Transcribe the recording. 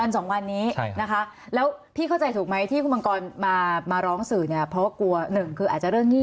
สองวันนี้นะคะแล้วพี่เข้าใจถูกไหมที่คุณมังกรมาร้องสื่อเนี่ยเพราะว่ากลัวหนึ่งคืออาจจะเรื่องหนี้